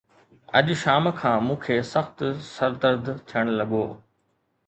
اڄ شام کان مون کي سخت سر درد ٿيڻ لڳو.